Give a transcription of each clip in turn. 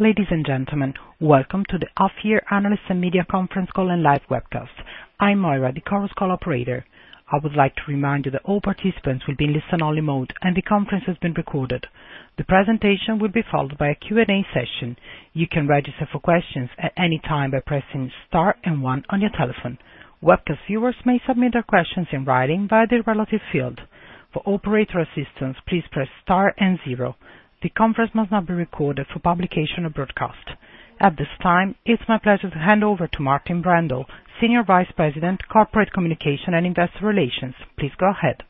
Ladies and gentlemen, welcome to the Off-Year Analysts and Media Conference call and live webcast. I'm Moira, the Chorus Call operator. I would like to remind you that all participants will be in listen-only mode, and the conference has been recorded. The presentation will be followed by a Q&A session. You can register for questions at any time by pressing star and 1 on your telephone. Webcast viewers may submit their questions in writing via the relative field. For operator assistance, please press star and 0. The conference must not be recorded for publication or broadcast. At this time, it's my pleasure to hand over to Martin Brändle, Senior Vice President, Corporate Communications & IR. Please go ahead.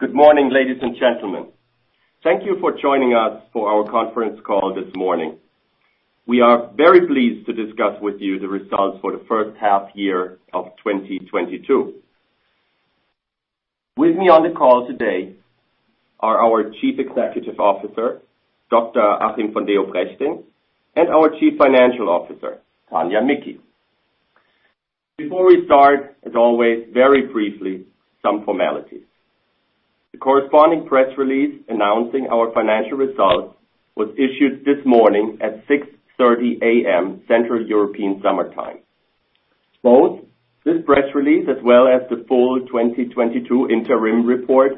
Good morning, ladies and gentlemen. Thank you for joining us for our conference call this morning. We are very pleased to discuss with you the results for the first half year of 2022. With me on the call today are our Chief Executive Officer, Dr. Achim von Leoprechting, and our Chief Financial Officer, Tania Micki. Before we start, as always, very briefly, some formalities. The corresponding press release announcing our financial results was issued this morning at 6:30 A.M. Central European Summer Time. Both this press release as well as the full 2022 interim report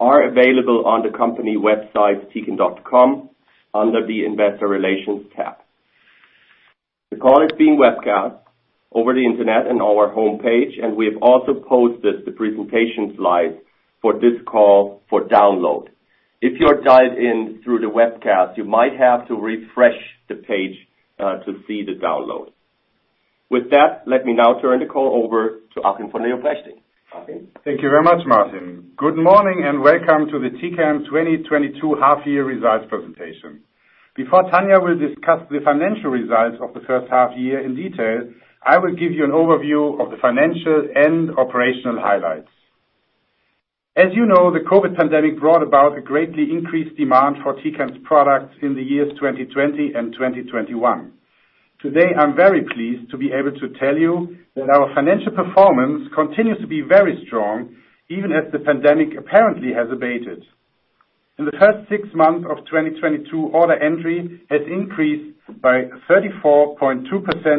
are available on the company website, tecan.com, under the Investor Relations tab. The call is being webcast over the internet and our home page, and we have also posted the presentation slides for this call for download. If you are dialed in through the webcast, you might have to refresh the page to see the download. With that, let me now turn the call over to Achim von Leoprechting. Achim? Thank you very much, Martin. Good morning and welcome to the Tecan 2022 half-year results presentation. Before Tania will discuss the financial results of the first half year in detail, I will give you an overview of the financial and operational highlights. As you know, the COVID pandemic brought about a greatly increased demand for Tecan's products in the years 2020 and 2021. Today, I'm very pleased to be able to tell you that our financial performance continues to be very strong, even as the pandemic apparently has abated. In the first six months of 2022, order entry has increased by 34.2%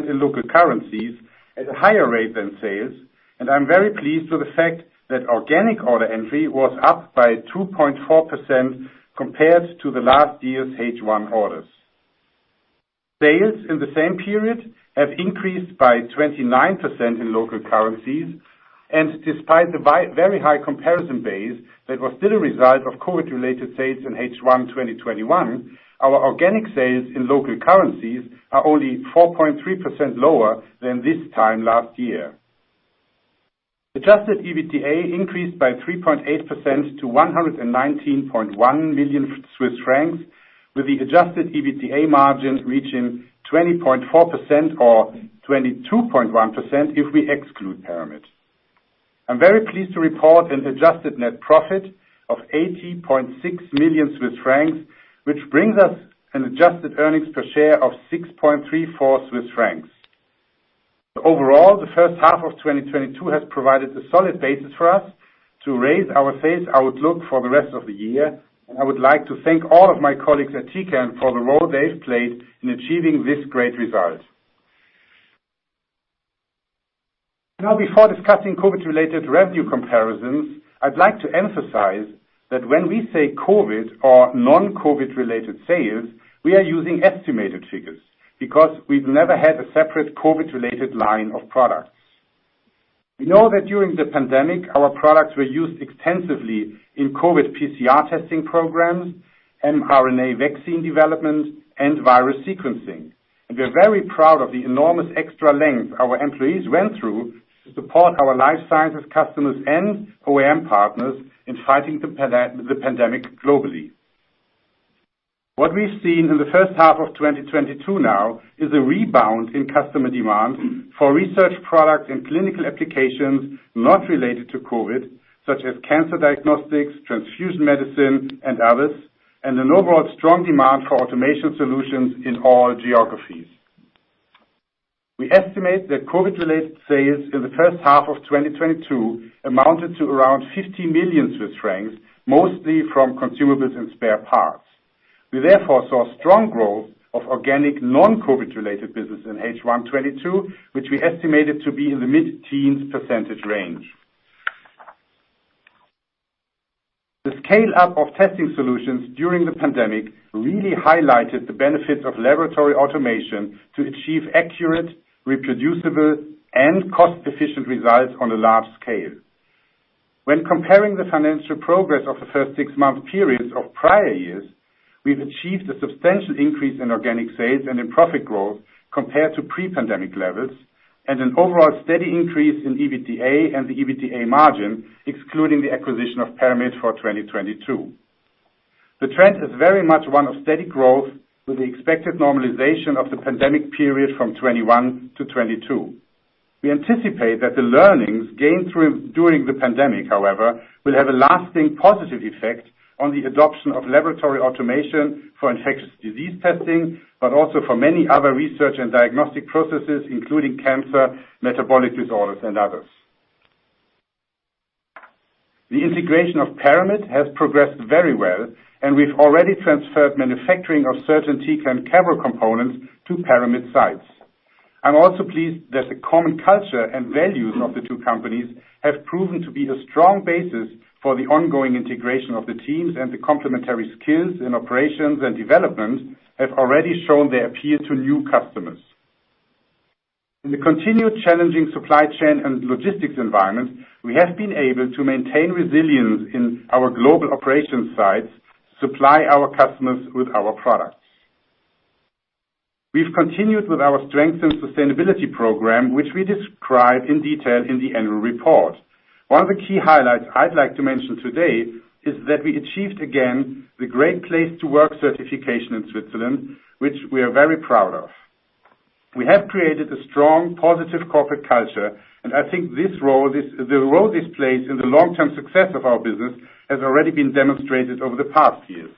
in local currencies at a higher rate than sales, and I'm very pleased with the fact that organic order entry was up by 2.4% compared to the last year's H1 orders. Sales in the same period have increased by 29% in local currencies, and despite the very high comparison base that was still a result of COVID-related sales in H1 2021, our organic sales in local currencies are only 4.3% lower than this time last year. Adjusted EBITDA increased by 3.8% to 119.1 million Swiss francs, with the adjusted EBITDA margin reaching 20.4% or 22.1% if we exclude Paramit. I'm very pleased to report an adjusted net profit of 80.6 million Swiss francs, which brings us an adjusted earnings per share of 6.34 Swiss francs. Overall, the first half of 2022 has provided a solid basis for us to raise our sales, our outlook for the rest of the year, and I would like to thank all of my colleagues at Tecan for the role they've played in achieving this great result. Now, before discussing COVID-related revenue comparisons, I'd like to emphasize that when we say COVID or non-COVID-related sales, we are using estimated figures because we've never had a separate COVID-related line of products. We know that during the pandemic, our products were used extensively in COVID PCR testing programs, mRNA vaccine development, and virus sequencing, and we're very proud of the enormous extra length our employees went through to support our life sciences customers and OEM partners in fighting the pandemic globally. What we've seen in the first half of 2022 now is a rebound in customer demand for research products and clinical applications not related to COVID, such as cancer diagnostics, transfusion medicine, and others, and an overall strong demand for automation solutions in all geographies. We estimate that COVID-related sales in the first half of 2022 amounted to around 50 million Swiss francs, mostly from consumables and spare parts. We therefore saw strong growth of organic non-COVID-related business in H1 2022, which we estimated to be in the mid-teens % range. The scale-up of testing solutions during the pandemic really highlighted the benefits of laboratory automation to achieve accurate, reproducible, and cost-efficient results on a large scale. When comparing the financial progress of the first six-month periods of prior years, we've achieved a substantial increase in organic sales and in profit growth compared to pre-pandemic levels, and an overall steady increase in EBITDA and the EBITDA margin excluding the acquisition of PARAMIT for 2022. The trend is very much one of steady growth, with the expected normalization of the pandemic period from 2021 to 2022. We anticipate that the learnings gained during the pandemic, however, will have a lasting positive effect on the adoption of laboratory automation for infectious disease testing, but also for many other research and diagnostic processes, including cancer, metabolic disorders, and others. The integration of PARAMIT has progressed very well, and we've already transferred manufacturing of certain Tecan Cavro components to PARAMIT sites. I'm also pleased that the common culture and values of the two companies have proven to be a strong basis for the ongoing integration of the teams, and the complementary skills in operations and development have already shown their appeal to new customers. In the continued challenging supply chain and logistics environment, we have been able to maintain resilience in our global operations sites to supply our customers with our products. We've continued with our strengths and sustainability program, which we describe in detail in the annual report. One of the key highlights I'd like to mention today is that we achieved again the Great Place to Work certification in Switzerland, which we are very proud of. We have created a strong, positive corporate culture, and I think the role this plays in the long-term success of our business has already been demonstrated over the past years.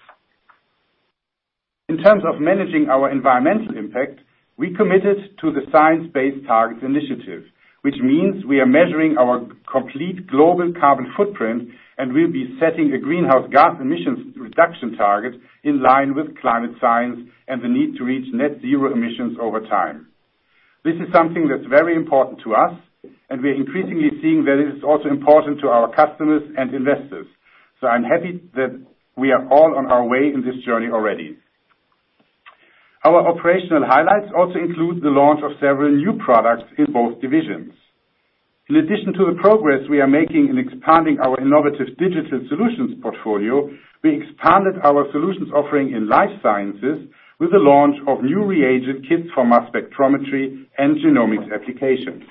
In terms of managing our environmental impact, we committed to the Science-Based Targets initiative, which means we are measuring our complete global carbon footprint and will be setting a greenhouse gas emissions reduction target in line with climate science and the need to reach net-zero emissions over time. This is something that's very important to us, and we are increasingly seeing that it is also important to our customers and investors. I'm happy that we are all on our way in this journey already. Our operational highlights also include the launch of several new products in both divisions. In addition to the progress we are making in expanding our innovative digital solutions portfolio, we expanded our solutions offering in life sciences with the launch of new reagent kits for mass spectrometry and genomics applications.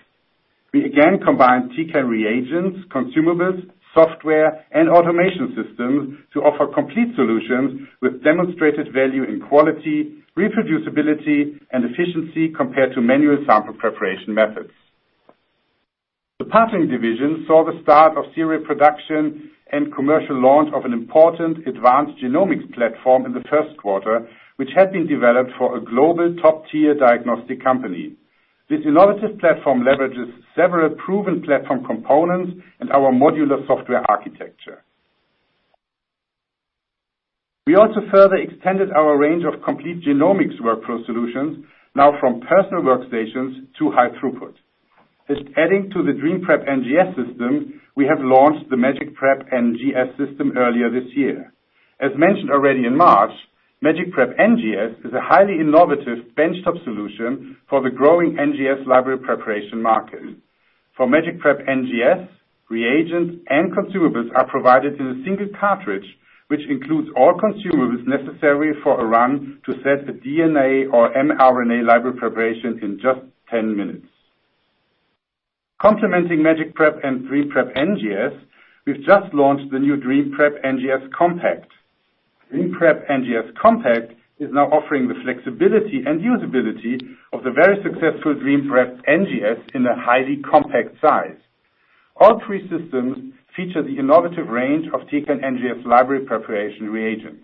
We again combined Tecan reagents, consumables, software, and automation systems to offer complete solutions with demonstrated value in quality, reproducibility, and efficiency compared to manual sample preparation methods. The partnering division saw the start of serial production and commercial launch of an important advanced genomics platform in the first quarter, which had been developed for a global top-tier diagnostic company. This innovative platform leverages several proven platform components and our modular software architecture. We also further extended our range of complete genomics workflow solutions, now from personal workstations to high throughput. Adding to the DreamPrep NGS system, we have launched the MagicPrep NGS system earlier this year. As mentioned already in March, MagicPrep NGS is a highly innovative benchtop solution for the growing NGS library preparation market. For MagicPrep NGS, reagents and consumables are provided in a single cartridge, which includes all consumables necessary for a run to set a DNA or mRNA library preparation in just 10 minutes. Complementing MagicPrep and DreamPrep NGS, we've just launched the new DreamPrep NGS Compact. DreamPrep NGS Compact is now offering the flexibility and usability of the very successful DreamPrep NGS in a highly compact size. All three systems feature the innovative range of Tecan NGS library preparation reagents.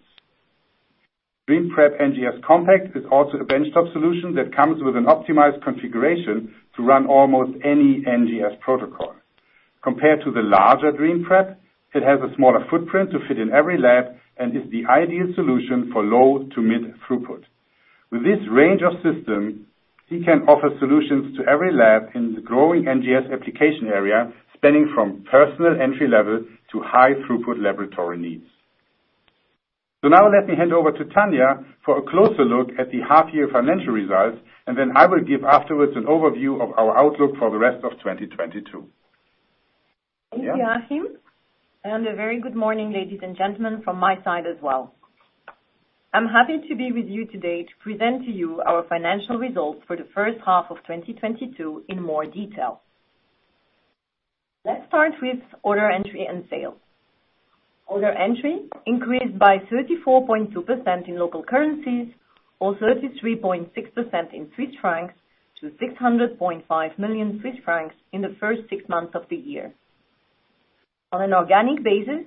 DreamPrep NGS Compact is also a benchtop solution that comes with an optimized configuration to run almost any NGS protocol. Compared to the larger DreamPrep, it has a smaller footprint to fit in every lab and is the ideal solution for low to mid throughput. With this range of systems, Tecan offers solutions to every lab in the growing NGS application area, spanning from personal entry-level to high throughput laboratory needs. Now let me hand over to Tania for a closer look at the half-year financial results, and then I will give afterwards an overview of our outlook for the rest of 2022. Thank you, Achim. A very good morning, ladies and gentlemen, from my side as well. I'm happy to be with you today to present to you our financial results for the first half of 2022 in more detail. Let's start with order entry and sales. Order entry increased by 34.2% in local currencies or 33.6% in Swiss francs to 600.5 million Swiss francs in the first six months of the year. On an organic basis,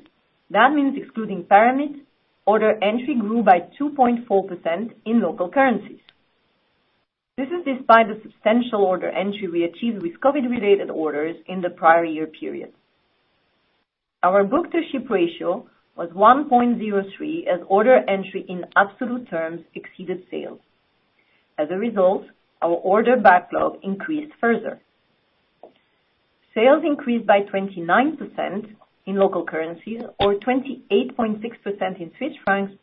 that means excluding PARAMIT, order entry grew by 2.4% in local currencies. This is despite the substantial order entry we achieved with COVID-related orders in the prior year period. Our book-to-ship ratio was 1.03 as order entry in absolute terms exceeded sales. As a result, our order backlog increased further. Sales increased by 29% in local currencies or 28.6% in Swiss francs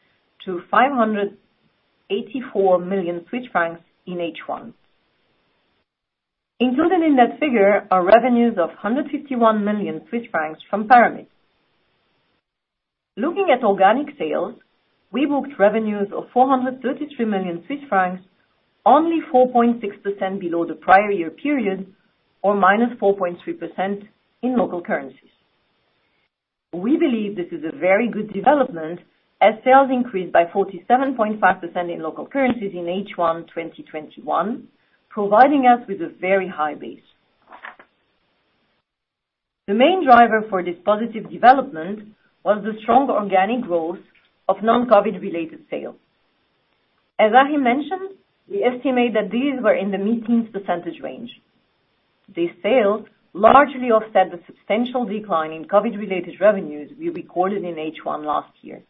to 584 million Swiss francs in H1. Included in that figure are revenues of 151 million Swiss francs from PARAMIT. Looking at organic sales, we booked revenues of 433 million Swiss francs, only 4.6% below the prior year period or minus 4.3% in local currencies. We believe this is a very good development as sales increased by 47.5% in local currencies in H1 2021, providing us with a very high base. The main driver for this positive development was the strong organic growth of non-COVID-related sales. As Achim mentioned, we estimate that these were in the mid-teens percentage range. These sales largely offset the substantial decline in COVID-related revenues we recorded in H1 last year.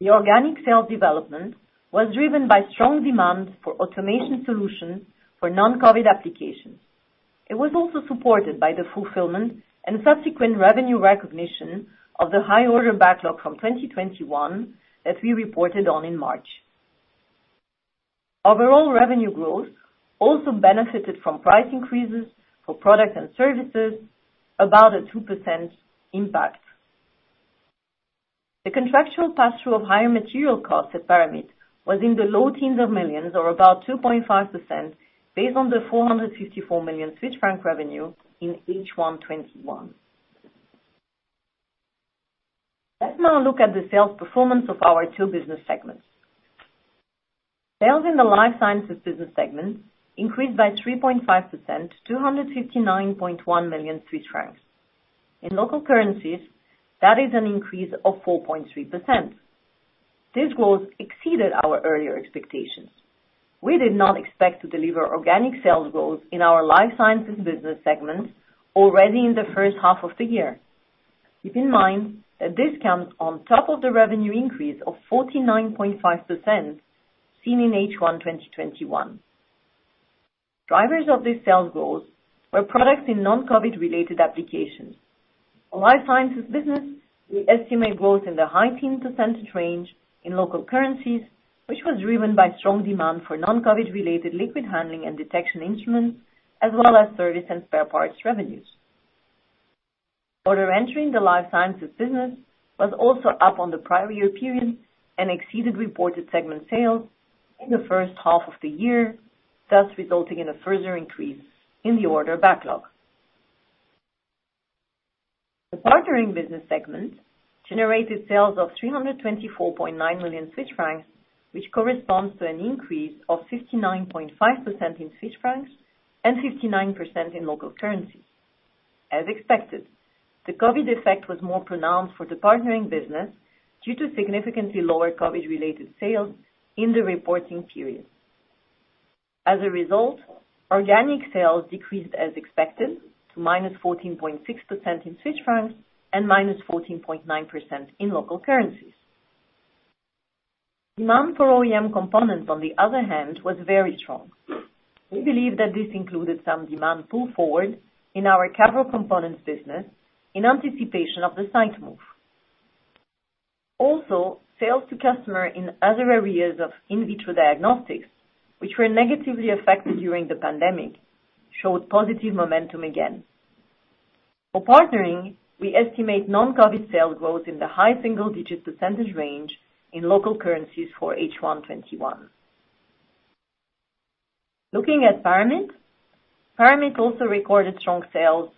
The organic sales development was driven by strong demand for automation solutions for non-COVID applications. It was also supported by the fulfillment and subsequent revenue recognition of the high order backlog from 2021 that we reported on in March. Overall revenue growth also benefited from price increases for products and services, about a 2% impact. The contractual pass-through of higher material costs at PARAMIT was in the low teens of millions or about 2.5% based on the 454 million franc revenue in H1 2021. Let's now look at the sales performance of our two business segments. Sales in the life sciences business segment increased by 3.5% to 259.1 million Swiss francs. In local currencies, that is an increase of 4.3%. This growth exceeded our earlier expectations. We did not expect to deliver organic sales growth in our life sciences business segment already in the first half of the year. Keep in mind that this comes on top of the revenue increase of 49.5% seen in H1 2021. Drivers of this sales growth were products in non-COVID-related applications. For Life Sciences business, we estimate growth in the high-teens % range in local currencies, which was driven by strong demand for non-COVID-related liquid handling and detection instruments, as well as service and spare parts revenues. Order entry in the Life Sciences business was also up on the prior year period and exceeded reported segment sales in the first half of the year, thus resulting in a further increase in the order backlog. The Partnering Business segment generated sales of 324.9 million Swiss francs, which corresponds to an increase of 59.5% in Swiss francs and 59% in local currencies. As expected, the COVID effect was more pronounced for the Partnering Business due to significantly lower COVID-related sales in the reporting period. As a result, organic sales decreased as expected to -14.6% in Swiss francs and -14.9% in local currencies. Demand for OEM components, on the other hand, was very strong. We believe that this included some demand pull forward in our Cavro components business in anticipation of the site move. Also, sales to customers in other areas of in vitro diagnostics, which were negatively affected during the pandemic, showed positive momentum again. For partnering, we estimate non-COVID sales growth in the high single-digit % range in local currencies for H1 2021. Looking at PARAMIT also recorded strong sales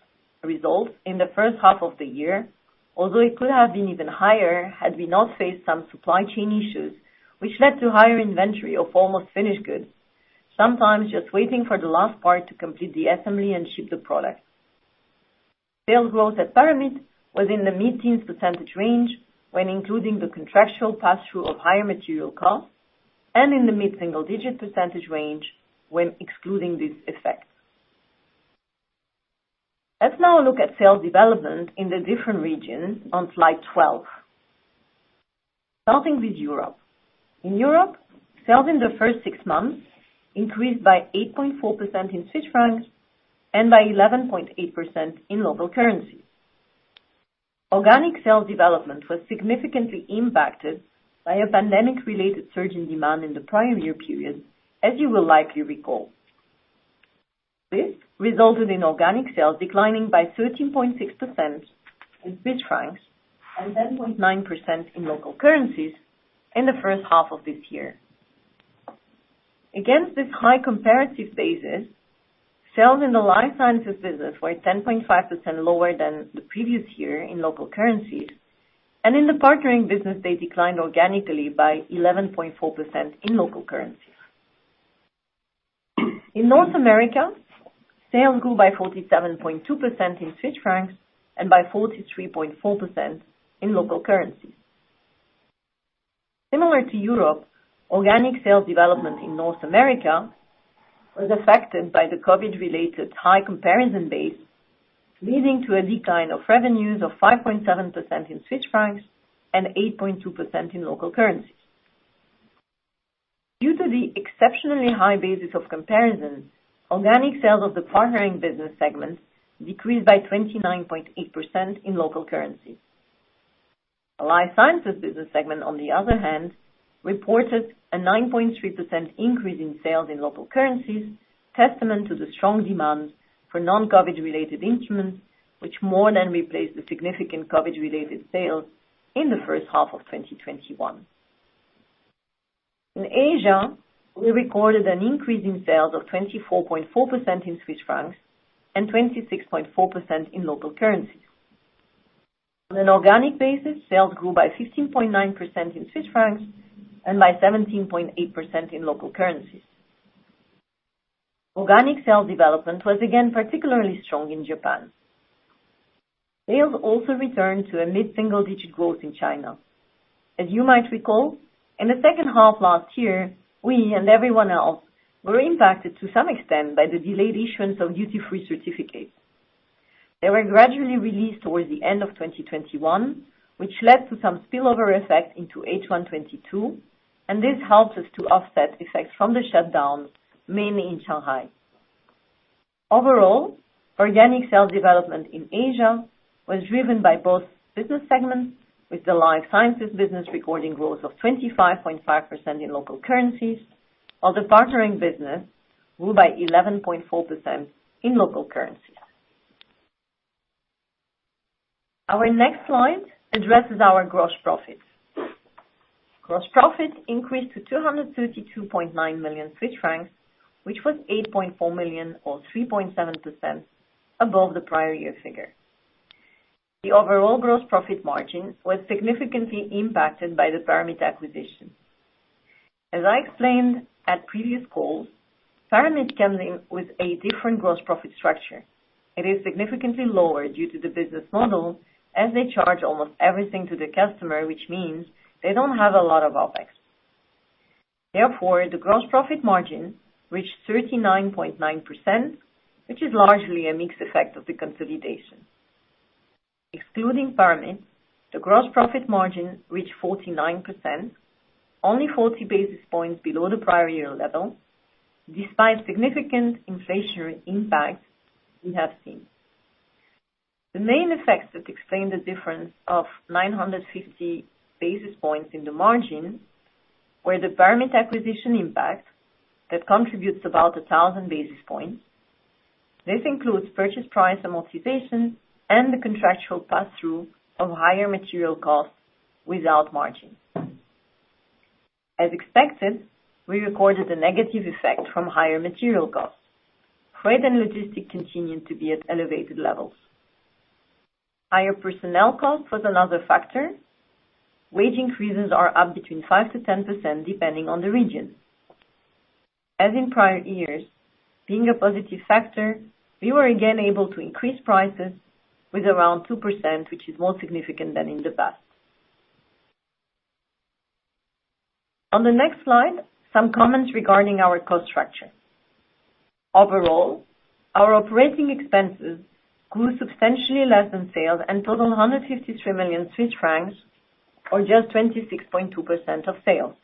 results in the first half of the year, although it could have been even higher had we not faced some supply chain issues, which led to higher inventory of almost finished goods, sometimes just waiting for the last part to complete the assembly and ship the product. Sales growth at PARAMIT was in the mid-teens percentage range when including the contractual pass-through of higher material costs and in the mid-single-digit percentage range when excluding this effect. Let's now look at sales development in the different regions on slide 12. Starting with Europe. In Europe, sales in the first six months increased by 8.4% in Swiss francs and by 11.8% in local currencies. Organic sales development was significantly impacted by a pandemic-related surge in demand in the prior year period, as you will likely recall. This resulted in organic sales declining by 13.6% in Swiss francs and 10.9% in local currencies in the first half of this year. Against this high comparative basis, sales in the Life Sciences Business were 10.5% lower than the previous year in local currencies, and in the Partnering Business, they declined organically by 11.4% in local currencies. In North America, sales grew by 47.2% in Swiss francs and by 43.4% in local currencies. Similar to Europe, organic sales development in North America was affected by the COVID-related high comparison base, leading to a decline of revenues of 5.7% in Swiss francs and 8.2% in local currencies. Due to the exceptionally high basis of comparison, organic sales of the Partnering Business segment decreased by 29.8% in local currencies. The Life Sciences Business segment, on the other hand, reported a 9.3% increase in sales in local currencies, testament to the strong demand for non-COVID-related instruments, which more than replaced the significant COVID-related sales in the first half of 2021. In Asia, we recorded an increase in sales of 24.4% in Swiss francs and 26.4% in local currencies. On an organic basis, sales grew by 15.9% in Swiss francs and by 17.8% in local currencies. Organic sales development was again particularly strong in Japan. Sales also returned to a mid-single-digit growth in China. As you might recall, in the second half last year, we and everyone else were impacted to some extent by the delayed issuance of duty-free certificates. They were gradually released towards the end of 2021, which led to some spillover effect into H1 2022, and this helped us to offset effects from the shutdowns mainly in Shanghai. Overall, organic sales development in Asia was driven by both business segments, with the life sciences business recording growth of 25.5% in local currencies, while the partnering business grew by 11.4% in local currencies. Our next slide addresses our gross profit. Gross profit increased to 232.9 million Swiss francs, which was 8.4 million or 3.7% above the prior year figure. The overall gross profit margin was significantly impacted by the Paramit acquisition. As I explained at previous calls, Paramit comes in with a different gross profit structure. It is significantly lower due to the business model, as they charge almost everything to the customer, which means they don't have a lot of OPEX. Therefore, the gross profit margin reached 39.9%, which is largely a mixed effect of the consolidation. Excluding Paramit, the gross profit margin reached 49%, only 40 basis points below the prior year level, despite significant inflationary impacts we have seen. The main effects that explain the difference of 950 basis points in the margin were the Paramit acquisition impact that contributes about 1,000 basis points. This includes purchase price amortization and the contractual pass-through of higher material costs without margin. As expected, we recorded a negative effect from higher material costs. Freight and logistics continued to be at elevated levels. Higher personnel cost was another factor. Wage increases are up between 5%-10% depending on the region. As in prior years, being a positive factor, we were again able to increase prices with around 2%, which is more significant than in the past. On the next slide, some comments regarding our cost structure. Overall, our operating expenses grew substantially less than sales and totaled 153 million Swiss francs, or just 26.2% of sales.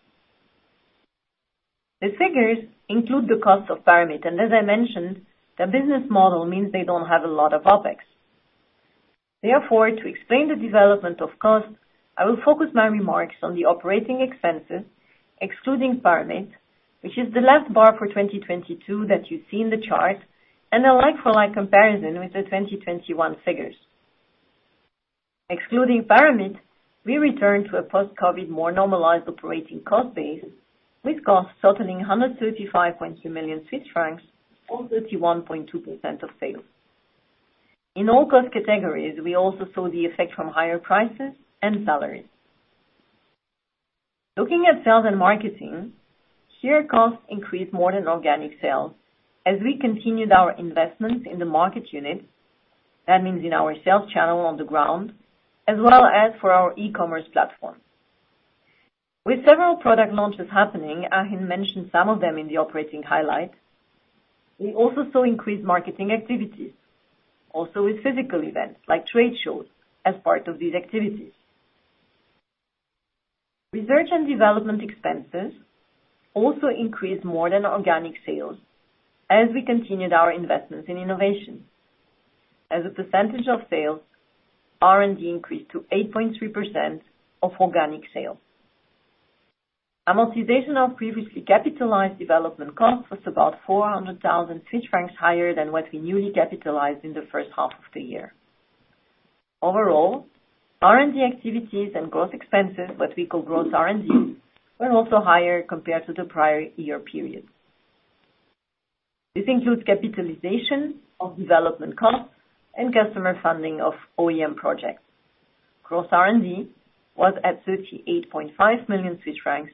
These figures include the costs of Paramit, and as I mentioned, their business model means they don't have a lot of OPEX. Therefore, to explain the development of costs, I will focus my remarks on the operating expenses, excluding Paramit, which is the left bar for 2022 that you see in the chart, and a like-for-like comparison with the 2021 figures. Excluding PARAMIT, we returned to a post-COVID more normalized operating cost base, with costs totaling 135.2 million Swiss francs or 31.2% of sales. In all cost categories, we also saw the effect from higher prices and salaries. Looking at sales and marketing, here, costs increased more than organic sales as we continued our investments in the market unit, that means in our sales channel on the ground, as well as for our e-commerce platform. With several product launches happening, Achim mentioned some of them in the operating highlight, we also saw increased marketing activities, also with physical events like trade shows as part of these activities. Research and development expenses also increased more than organic sales as we continued our investments in innovation. As a percentage of sales, R&D increased to 8.3% of organic sales. Amortization of previously capitalized development costs was about 400,000 Swiss francs higher than what we newly capitalized in the first half of the year. Overall, R&D activities and gross expenses, what we call gross R&D, were also higher compared to the prior year period. This includes capitalization of development costs and customer funding of OEM projects. Gross R&D was at 38.5 million Swiss francs,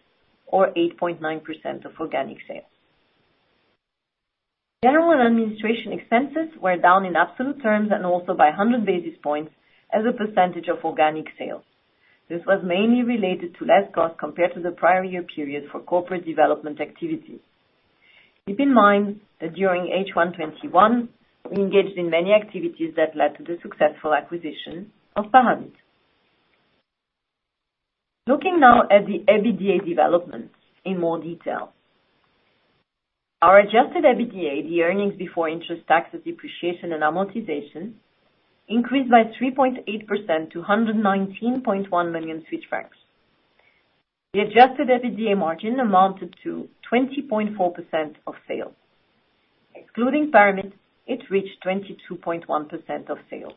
or 8.9% of organic sales. General and administration expenses were down in absolute terms and also by 100 basis points as a percentage of organic sales. This was mainly related to less costs compared to the prior year period for corporate development activities. Keep in mind that during H1 2021, we engaged in many activities that led to the successful acquisition of Paramit. Looking now at the EBITDA development in more detail. Our adjusted EBITDA, the earnings before interest taxes depreciation and amortization, increased by 3.8% to 119.1 million Swiss francs. The adjusted EBITDA margin amounted to 20.4% of sales. Excluding PARAMIT, it reached 22.1% of sales.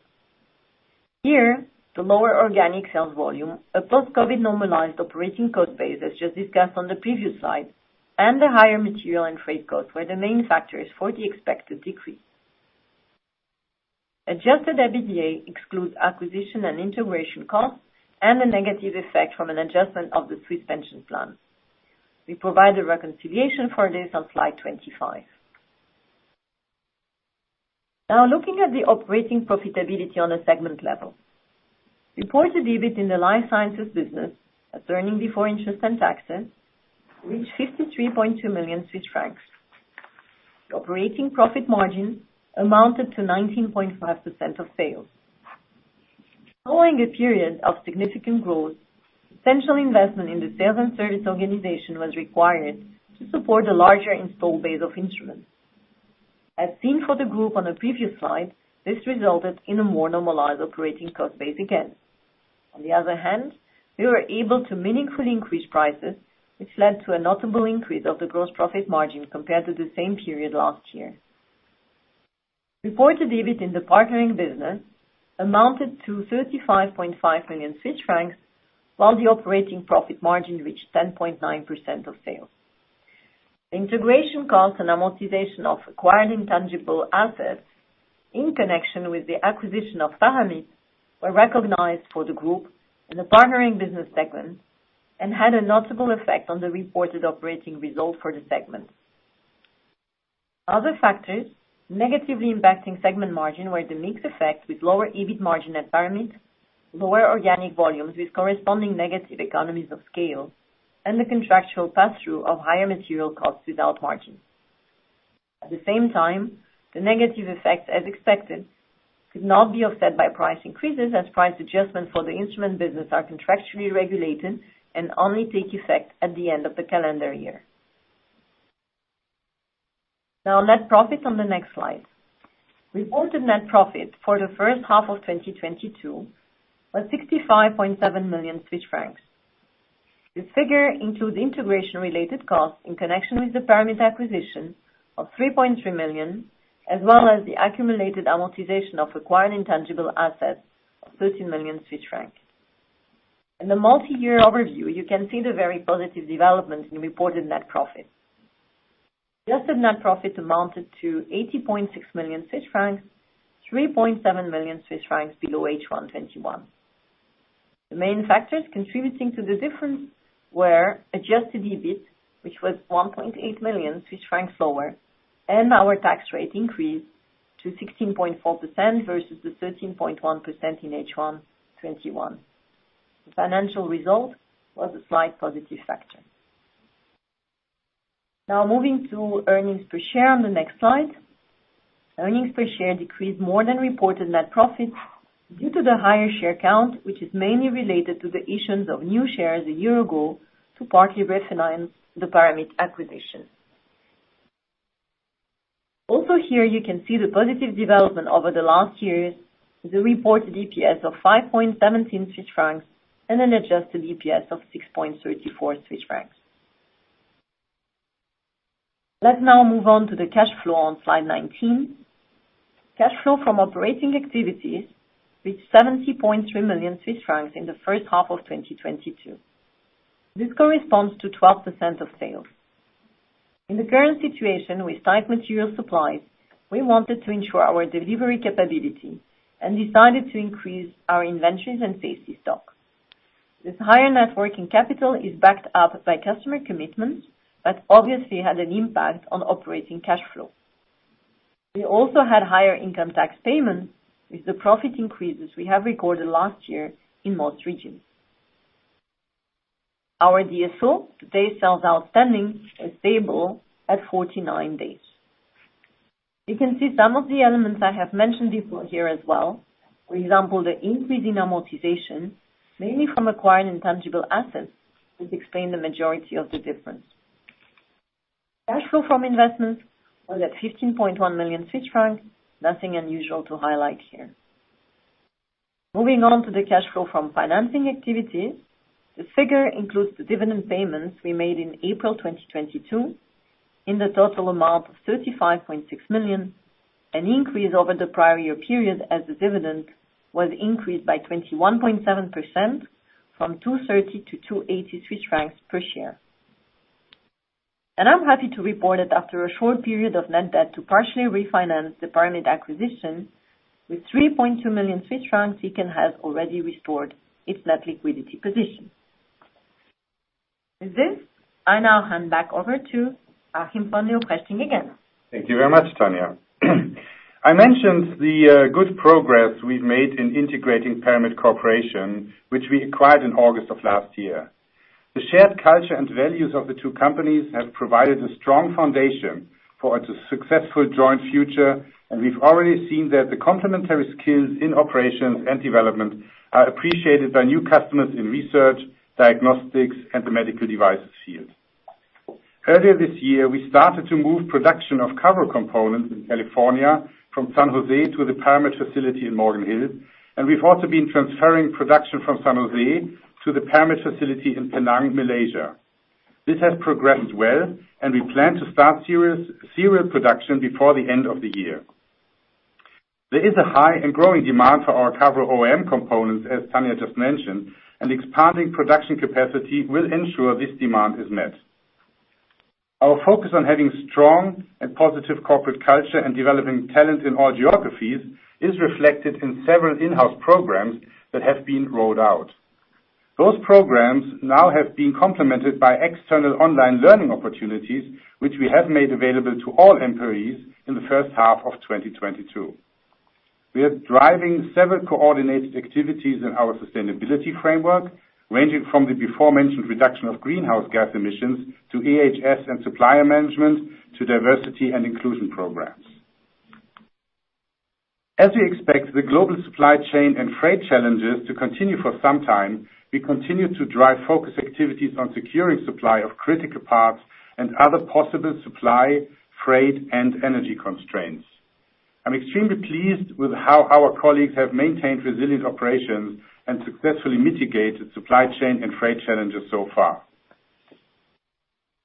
Here, the lower organic sales volume, a post-COVID normalized operating cost base, as just discussed on the previous slide, and the higher material and freight costs were the main factors for the expected decrease. Adjusted EBITDA excludes acquisition and integration costs and the negative effect from an adjustment of the Swiss pension plan. We provide a reconciliation for this on slide 25. Now, looking at the operating profitability on a segment level. Reported EBIT in the life sciences business, earnings before interest and taxes, reached 53.2 million Swiss francs. The operating profit margin amounted to 19.5% of sales. Following a period of significant growth, essential investment in the sales and service organization was required to support a larger installed base of instruments. As seen for the group on a previous slide, this resulted in a more normalized operating cost base again. On the other hand, we were able to meaningfully increase prices, which led to a notable increase of the gross profit margin compared to the same period last year. Reported EBIT in the partnering business amounted to 35.5 million Swiss francs, while the operating profit margin reached 10.9% of sales. The integration costs and amortization of acquired intangible assets in connection with the acquisition of Paramit were recognized for the group and the partnering business segment, and had a notable effect on the reported operating result for the segment. Other factors negatively impacting segment margin were the mixed effect with lower EBIT margin at Paramit, lower organic volumes with corresponding negative economies of scale, and the contractual pass-through of higher material costs without margin. At the same time, the negative effects, as expected, could not be offset by price increases, as price adjustments for the instrument business are contractually regulated and only take effect at the end of the calendar year. Now, net profit on the next slide. Reported net profit for the first half of 2022 was 65.7 million Swiss francs. This figure includes integration-related costs in connection with the Paramit acquisition of 3.3 million, as well as the accumulated amortization of acquired intangible assets of 13 million Swiss francs. In the multi-year overview, you can see the very positive development in reported net profit. Adjusted net profit amounted to 80.6 million Swiss francs, 3.7 million Swiss francs below H1 2021. The main factors contributing to the difference were adjusted EBIT, which was 1.8 million Swiss francs lower, and our tax rate increase to 16.4% versus the 13.1% in H1 2021. The financial result was a slight positive factor. Now, moving to earnings per share on the next slide. Earnings per share decreased more than reported net profit due to the higher share count, which is mainly related to the issuance of new shares a year ago to partly finance the PARAMIT acquisition. Also here, you can see the positive development over the last year: the reported EPS of 5.17 Swiss francs and an adjusted EPS of 6.34 Swiss francs. Let's now move on to the cash flow on slide 19. Cash flow from operating activities reached 70.3 million Swiss francs in the first half of 2022. This corresponds to 12% of sales. In the current situation with tight material supplies, we wanted to ensure our delivery capability and decided to increase our inventories and safety stock. This higher net working capital is backed up by customer commitments but obviously had an impact on operating cash flow. We also had higher income tax payments, with the profit increases we have recorded last year in most regions. Our DSO, days sales outstanding, was stable at 49 days. You can see some of the elements I have mentioned before here as well. For example, the increase in amortization, mainly from acquired intangible assets, which explained the majority of the difference. Cash flow from investments was at 15.1 million Swiss francs, nothing unusual to highlight here. Moving on to the cash flow from financing activities, this figure includes the dividend payments we made in April 2022 in the total amount of 35.6 million, an increase over the prior year period as the dividend was increased by 21.7% from 230 to 280 francs per share. I'm happy to report that after a short period of net debt to partially refinance the PARAMIT acquisition, with 3.2 million Swiss francs, Tecan has already restored its net liquidity position. With this, I now hand back over to Achim von Leoprechting again. Thank you very much, Tania. I mentioned the good progress we've made in integrating PARAMIT Corporation, which we acquired in August of last year. The shared culture and values of the two companies have provided a strong foundation for a successful joint future, and we've already seen that the complementary skills in operations and development are appreciated by new customers in research, diagnostics, and the medical devices field. Earlier this year, we started to move production of Cavro components in California from San Jose to the PARAMIT facility in Morgan Hill, and we've also been transferring production from San Jose to the PARAMIT facility in Penang, Malaysia. This has progressed well, and we plan to start serial production before the end of the year. There is a high and growing demand for our Cavro OEM components, as Tania just mentioned, and expanding production capacity will ensure this demand is met. Our focus on having strong and positive corporate culture and developing talent in all geographies is reflected in several in-house programs that have been rolled out. Those programs now have been complemented by external online learning opportunities, which we have made available to all employees in the first half of 2022. We are driving several coordinated activities in our sustainability framework, ranging from the before-mentioned reduction of greenhouse gas emissions to EHS and supplier management to diversity and inclusion programs. As we expect the global supply chain and freight challenges to continue for some time, we continue to drive focus activities on securing supply of critical parts and other possible supply, freight, and energy constraints. I'm extremely pleased with how our colleagues have maintained resilient operations and successfully mitigated supply chain and freight challenges so far.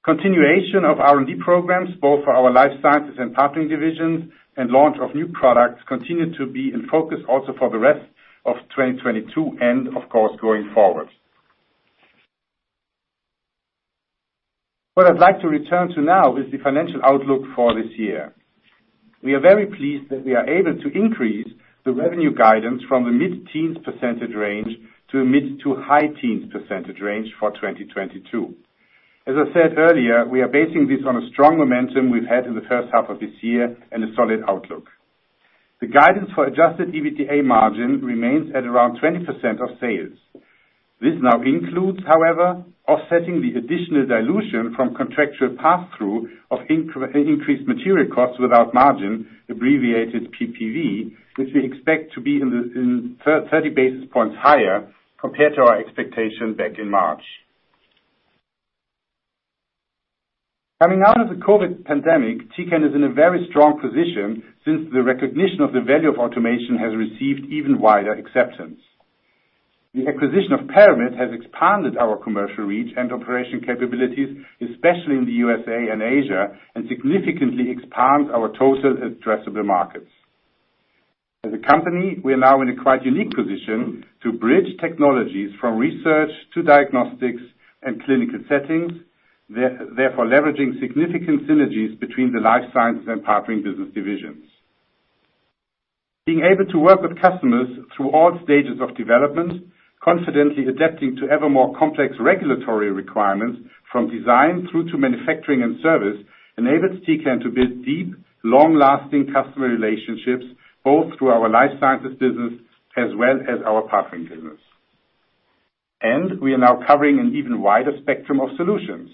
Continuation of R&D programs, both for our life sciences and partnering divisions, and launch of new products continue to be in focus also for the rest of 2022 and, of course, going forward. What I'd like to return to now is the financial outlook for this year. We are very pleased that we are able to increase the revenue guidance from the mid-teens % range to a mid-to-high teens % range for 2022. As I said earlier, we are basing this on a strong momentum we've had in the first half of this year and a solid outlook. The guidance for adjusted EBITDA margin remains at around 20% of sales. This now includes, however, offsetting the additional dilution from contractual pass-through of increased material costs without margin, abbreviated PPV, which we expect to be 30 basis points higher compared to our expectation back in March. Coming out of the COVID pandemic, Tecan is in a very strong position since the recognition of the value of automation has received even wider acceptance. The acquisition of Paramit has expanded our commercial reach and operational capabilities, especially in the USA and Asia, and significantly expands our total addressable markets. As a company, we are now in a quite unique position to bridge technologies from research to diagnostics and clinical settings, therefore leveraging significant synergies between the Life Sciences and Partnering Business divisions. Being able to work with customers through all stages of development, confidently adapting to ever more complex regulatory requirements from design through to manufacturing and service, enables Tecan to build deep, long-lasting customer relationships both through our Life Sciences business as well as our Partnering Business. We are now covering an even wider spectrum of solutions,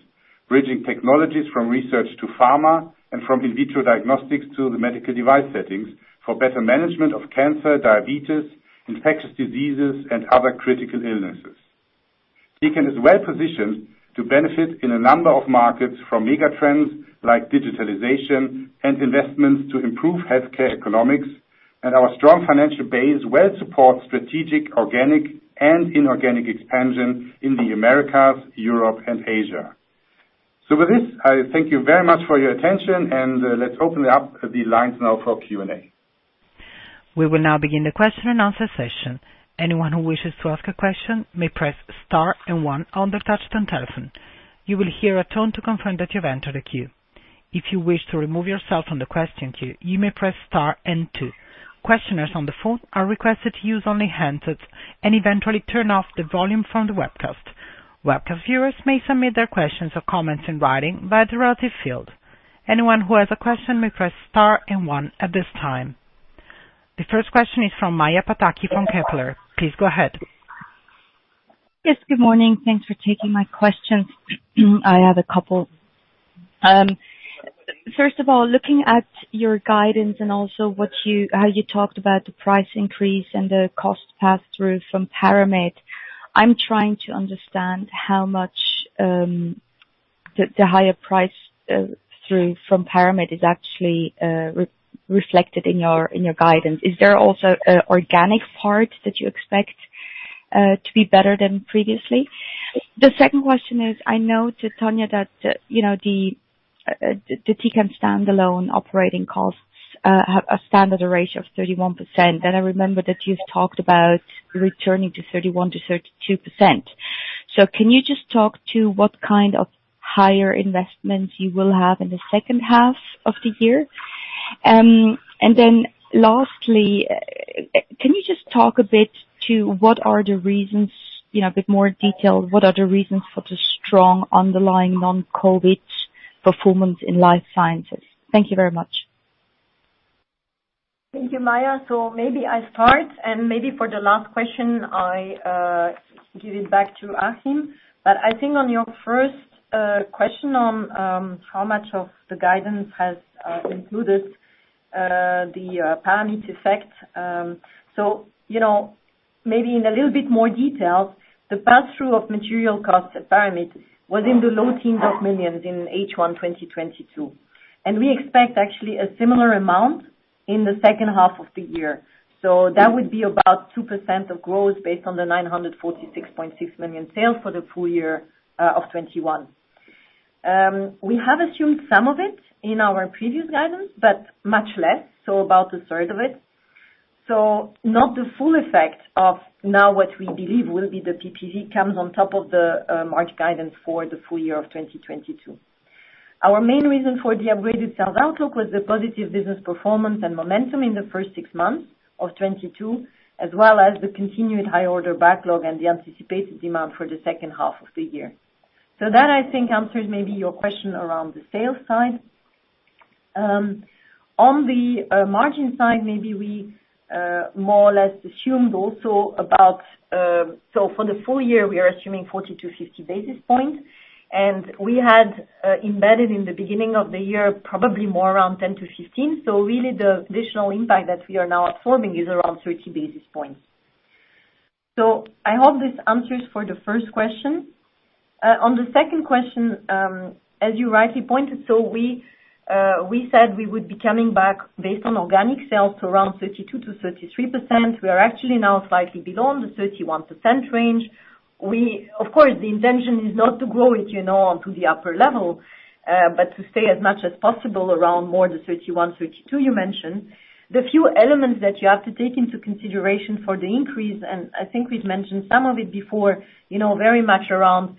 bridging technologies from research to pharma and from in vitro diagnostics to the medical device settings for better management of cancer, diabetes, infectious diseases, and other critical illnesses. Tecan is well positioned to benefit in a number of markets from megatrends like digitalization and investments to improve healthcare economics, and our strong financial base well supports strategic organic and inorganic expansion in the Americas, Europe, and Asia. With this, I thank you very much for your attention, and let's open up the lines now for Q&A. We will now begin the question-and-answer session. Anyone who wishes to ask a question may press star and one on their touchscreen telephone. You will hear a tone to confirm that you've entered the queue. If you wish to remove yourself from the question queue, you may press star and two. Participants on the phone are requested to use only hands-free and to turn off the volume from the webcast. Webcast viewers may submit their questions or comments in writing via the respective field. Anyone who has a question may press star one at this time. The first question is from Maja Pataki from Kepler Cheuvreux. Please go ahead. Yes, good morning. Thanks for taking my questions. I have a couple. First of all, looking at your guidance and also how you talked about the price increase and the cost pass-through from PARAMIT, I'm trying to understand how much the higher pass-through from PARAMIT is actually reflected in your guidance. Is there also an organic part that you expect to be better than previously? The second question is, I note to Tania that the Tecan standalone operating costs have a standard ratio of 31%. I remember that you've talked about returning to 31%-32%. Can you just talk to what kind of higher investments you will have in the second half of the year? Lastly, can you just talk a bit to what are the reasons a bit more detailed, what are the reasons for the strong underlying non-COVID performance in life sciences? Thank you very much. Thank you, Maya. Maybe I start, and maybe for the last question, I give it back to Achim. I think on your first question on how much of the guidance has included the PARAMIT effect, so maybe in a little bit more detail, the pass-through of material costs at PARAMIT was in the low teens of millions CHF in H1 2022. We expect actually a similar amount in the second half of the year. That would be about 2% of growth based on the 946.6 million sales for the full year of 2021. We have assumed some of it in our previous guidance, but much less, so about a third of it. Not the full effect of now what we believe will be the PPV comes on top of the March guidance for the full year of 2022. Our main reason for the upgraded sales outlook was the positive business performance and momentum in the first six months of 2022, as well as the continued high-order backlog and the anticipated demand for the second half of the year. That, I think, answers maybe your question around the sales side. On the margin side, maybe we more or less assumed also about so for the full year, we are assuming 40-50 basis points. We had embedded in the beginning of the year probably more around 10-15. Really, the additional impact that we are now absorbing is around 30 basis points. I hope this answers for the first question. On the second question, as you rightly pointed so we said we would be coming back based on organic sales to around 32%-33%. We are actually now slightly below in the 31% range. Of course, the intention is not to grow it onto the upper level but to stay as much as possible around more the 31-32 you mentioned. The few elements that you have to take into consideration for the increase and I think we've mentioned some of it before, very much around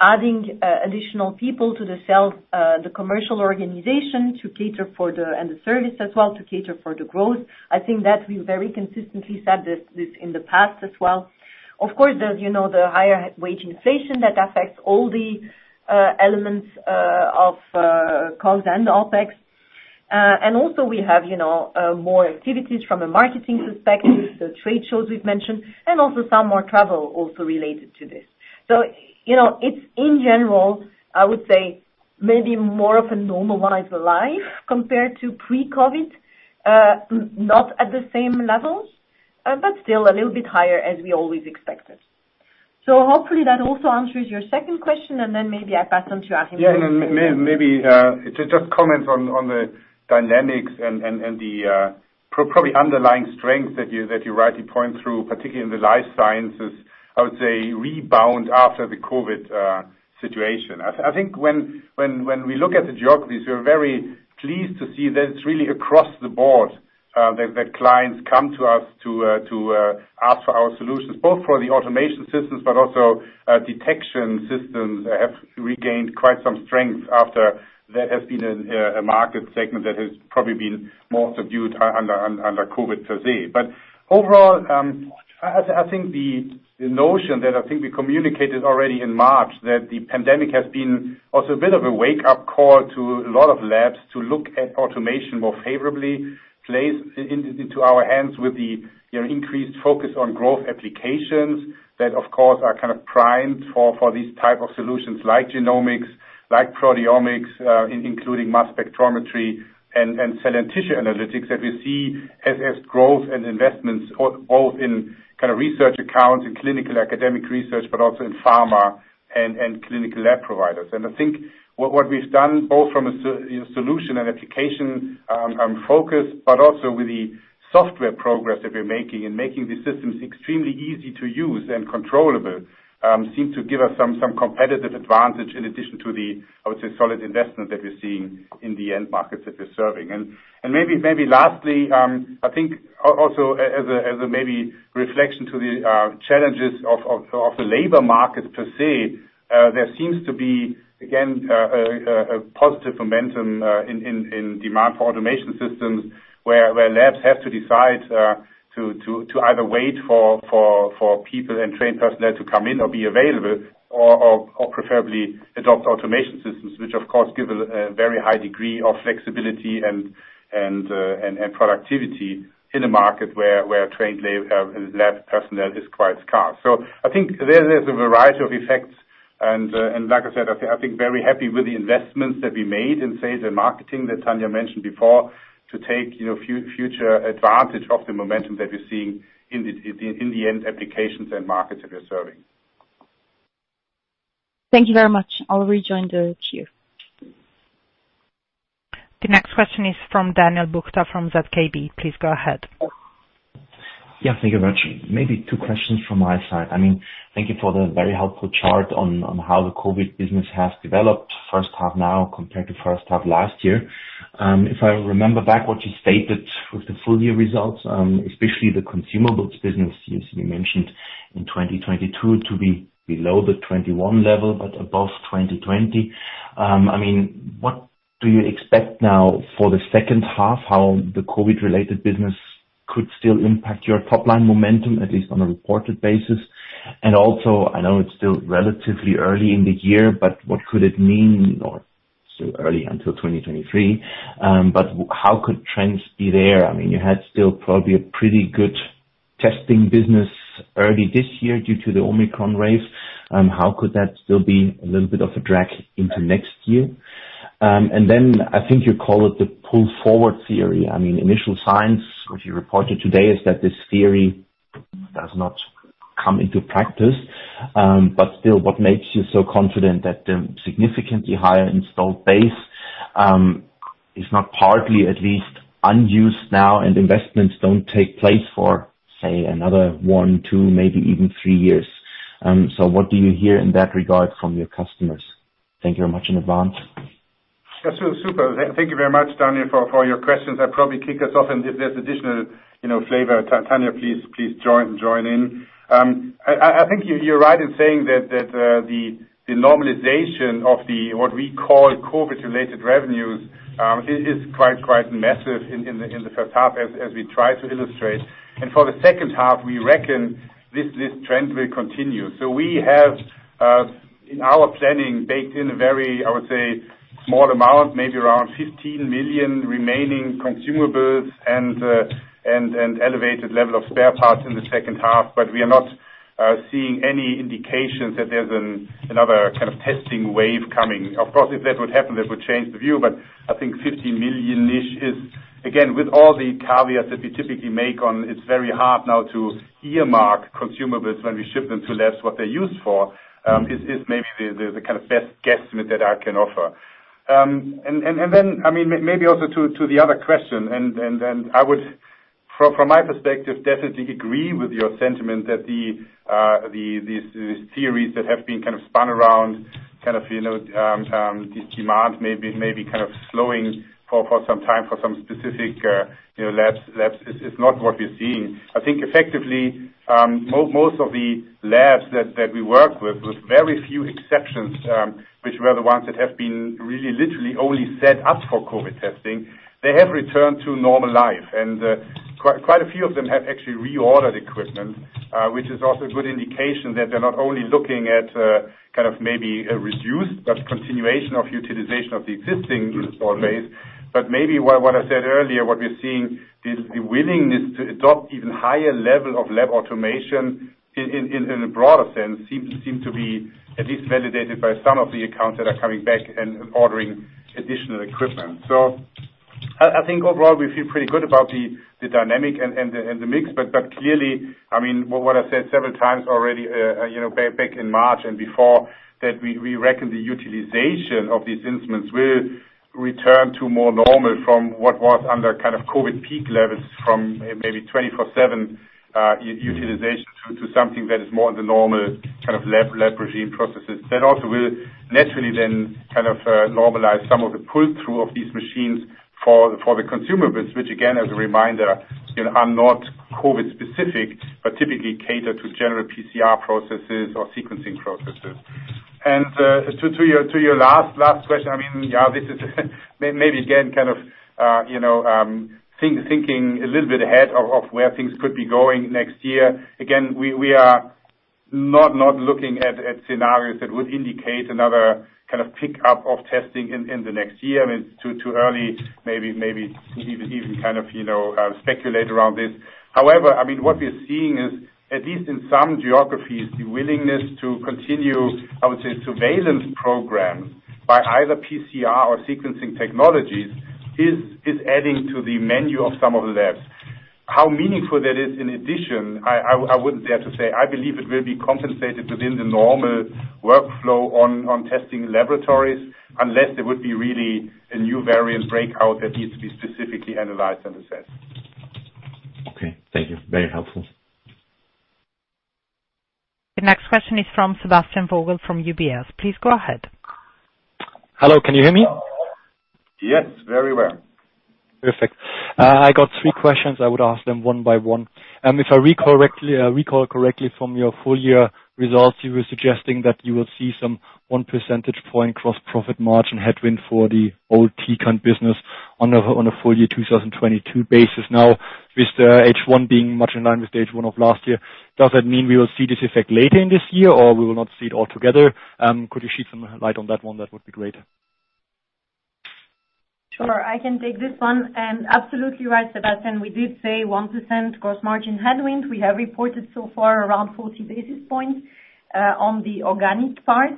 adding additional people to the commercial organization and the service as well to cater for the growth. I think that we've very consistently said this in the past as well. Of course, there's the higher wage inflation that affects all the elements of COGS and OPEX. Also, we have more activities from a marketing perspective, the trade shows we've mentioned, and also some more travel also related to this. It's, in general, I would say maybe more of a normalized life compared to pre-COVID, not at the same levels but still a little bit higher as we always expected. Hopefully, that also answers your second question, and then maybe I pass on to Achim. Yeah, maybe to just comment on the dynamics and the probably underlying strengths that you rightly point out, particularly in the life sciences, I would say rebound after the COVID situation. I think when we look at the geographies, we're very pleased to see that it's really across the board that clients come to us to ask for our solutions, both for the automation systems but also detection systems have regained quite some strength after that has been a market segment that has probably been more subdued under COVID per se. Overall, I think the notion that I think we communicated already in March that the pandemic has been also a bit of a wake-up call to a lot of labs to look at automation more favorably placed into our hands with the increased focus on growth applications that, of course, are kind of primed for these type of solutions like genomics, like proteomics, including mass spectrometry, and cell and tissue analytics that we see as growth and investments both in kind of research accounts and clinical academic research but also in pharma and clinical lab providers. I think what we've done, both from a solution and application focus but also with the software progress that we're making and making the systems extremely easy to use and controllable seem to give us some competitive advantage in addition to the, I would say, solid investment that we're seeing in the end markets that we're serving. Maybe lastly, I think also as a maybe reflection to the challenges of the labor markets per se, there seems to be, again, a positive momentum in demand for automation systems where labs have to decide to either wait for people and trained personnel to come in or be available or preferably adopt automation systems, which, of course, give a very high degree of flexibility and productivity in a market where trained lab personnel is quite scarce. I think there's a variety of effects. Like I said, I think very happy with the investments that we made in sales and marketing that Tania mentioned before to take future advantage of the momentum that we're seeing in the end applications and markets that we're serving. Thank you very much. I'll rejoin the queue. The next question is from Daniel Jelovcan from ZKB. Please go ahead. Yeah, thank you very much. Maybe two questions from my side. I mean, thank you for the very helpful chart on how the COVID business has developed first half now compared to first half last year. If I remember back what you stated with the full-year results, especially the consumables business you mentioned in 2022 to be below the 21 level but above 2020, I mean, what do you expect now for the second half, how the COVID-related business could still impact your top-line momentum, at least on a reported basis? Also, I know it's still relatively early in the year, but what could it mean or still early until 2023? How could trends be there? I mean, you had still probably a pretty good testing business early this year due to the Omicron wave. How could that still be a little bit of a drag into next year? Then I think you call it the pull-forward theory. I mean, initial signs, what you reported today, is that this theory does not come into practice. Still, what makes you so confident that the significantly higher installed base is not partly, at least, unused now and investments don't take place for, say, another one, two, maybe even three years? What do you hear in that regard from your customers? Thank you very much in advance. Yeah, super. Thank you very much, Tania, for your questions. That probably kicked us off. If there's additional flavor, Tania, please join in. I think you're right in saying that the normalization of what we call COVID-related revenues is quite massive in the first half, as we try to illustrate. For the second half, we reckon this trend will continue. We have, in our planning, baked in a very, I would say, small amount, maybe around 15 million remaining consumables and elevated level of spare parts in the second half. We are not seeing any indications that there's another kind of testing wave coming. Of course, if that would happen, that would change the view. I think 15 million-ish is, again, with all the caveats that we typically make on it's very hard now to earmark consumables when we ship them to labs what they're used for is maybe the kind of best guesstimate that I can offer. Then, I mean, maybe also to the other question. I would, from my perspective, definitely agree with your sentiment that these theories that have been kind of spun around kind of this demand maybe kind of slowing for some time for some specific labs is not what we're seeing. I think effectively, most of the labs that we work with very few exceptions, which were the ones that have been really literally only set up for COVID testing, they have returned to normal life. Quite a few of them have actually reordered equipment, which is also a good indication that they're not only looking at kind of maybe a reduced but continuation of utilization of the existing installed base. Maybe what I said earlier, what we're seeing, the willingness to adopt even higher level of lab automation in a broader sense seems to be at least validated by some of the accounts that are coming back and ordering additional equipment. I think overall, we feel pretty good about the dynamic and the mix. Clearly, I mean, what I said several times already back in March and before that, we reckon the utilization of these instruments will return to more normal from what was under kind of COVID peak levels from maybe 24/7 utilization to something that is more in the normal kind of lab regime processes. That also will naturally then kind of normalize some of the pull-through of these machines for the consumables, which, again, as a reminder, are not COVID-specific but typically cater to general PCR processes or sequencing processes. To your last question, I mean, yeah, this is maybe, again, kind of thinking a little bit ahead of where things could be going next year. Again, we are not looking at scenarios that would indicate another kind of pickup of testing in the next year. I mean, it's too early maybe to even kind of speculate around this. However, I mean, what we're seeing is, at least in some geographies, the willingness to continue, I would say, surveillance programs by either PCR or sequencing technologies is adding to the menu of some of the labs. How meaningful that is in addition, I wouldn't dare to say. I believe it will be compensated within the normal workflow in testing laboratories unless there would be really a new variant outbreak that needs to be specifically analyzed and assessed. Okay. Thank you. Very helpful. The next question is from Sebastian Vogel from UBS. Please go ahead. Hello. Can you hear me? Yes, very well. Perfect. I got three questions. I would ask them one by one. If I recall correctly from your full-year results, you were suggesting that you will see some 1 percentage point gross-profit margin headwind for the old Tecan business on a full-year 2022 basis. Now, with H1 being much in line with the H1 of last year, does that mean we will see this effect later in this year, or we will not see it altogether? Could you shed some light on that one? That would be great. Sure. I can take this one. Absolutely right, Sebastian. We did say 1% gross margin headwind. We have reported so far around 40 basis points on the organic part.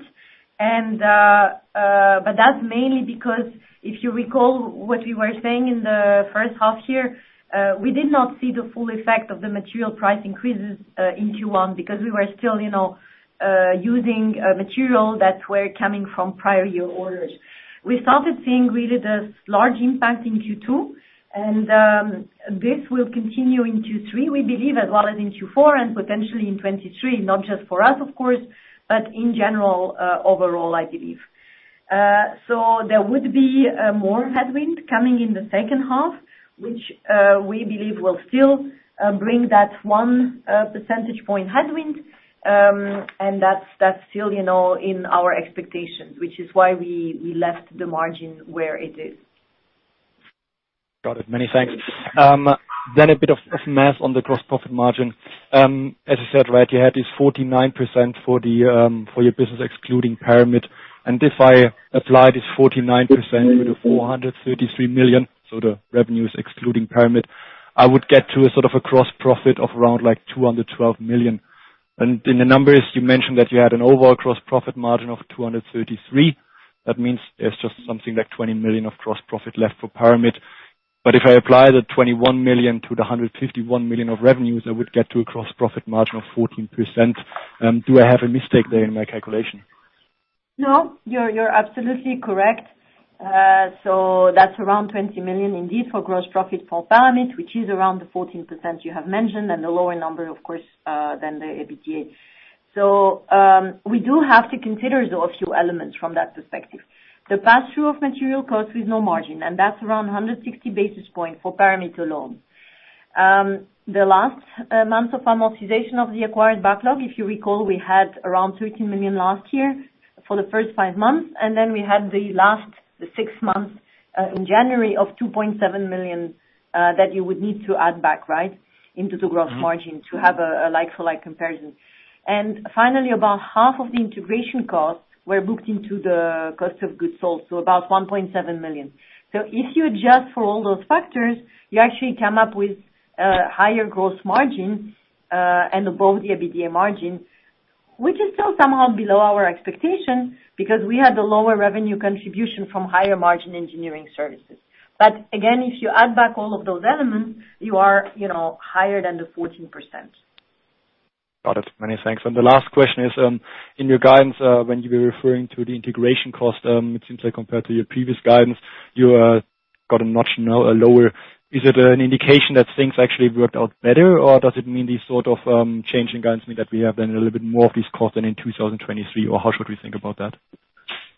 That's mainly because, if you recall what we were saying in the first half year, we did not see the full effect of the material price increases in Q1 because we were still using material that were coming from prior-year orders. We started seeing really this large impact in Q2. This will continue in Q3, we believe, as well as in Q4 and potentially in 2023, not just for us, of course, but in general overall, I believe. There would be more headwind coming in the second half, which we believe will still bring that 1 percentage point headwind. That's still in our expectations, which is why we left the margin where it is. Got it. Many thanks. A bit of math on the gross-profit margin. As you said, right, you had this 49% for your business excluding PARAMIT. If I apply this 49% to the 433 million, so the revenues excluding PARAMIT, I would get to sort of a gross profit of around like 212 million. In the numbers, you mentioned that you had an overall gross-profit margin of 23.3%. That means there's just something like 20 million of gross profit left for PARAMIT. If I apply the 21 million to the 151 million of revenues, I would get to a gross profit margin of 14%. Do I have a mistake there in my calculation? No, you're absolutely correct. That's around 20 million indeed for gross profit for Paramit, which is around the 14% you have mentioned and the lower number, of course, than the EBITDA. We do have to consider though a few elements from that perspective. The pass-through of material costs with no margin, and that's around 160 basis points for Paramit alone. The last months of amortization of the acquired backlog, if you recall, we had around 13 million last year for the first five months. We had the last six months in January of 2.7 million that you would need to add back, right, into the gross margin to have a like-for-like comparison. Finally, about half of the integration costs were booked into the cost of goods sold, so about 1.7 million. If you adjust for all those factors, you actually come up with a higher gross margin and above the EBITDA margin, which is still somehow below our expectation because we had the lower revenue contribution from higher margin engineering services. Again, if you add back all of those elements, you are higher than the 14%. Got it. Many thanks. The last question is, in your guidance, when you were referring to the integration cost, it seems like compared to your previous guidance, you got a notch lower. Is it an indication that things actually worked out better, or does it mean these sort of changing guidance mean that we have then a little bit more of these costs than in 2023, or how should we think about that?